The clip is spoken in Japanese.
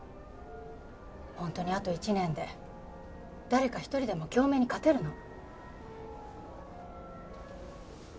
本当にあと１年で誰か一人でも京明に勝てるの？